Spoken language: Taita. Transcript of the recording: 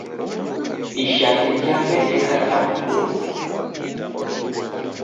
Ishati jape jeka ja mkundu.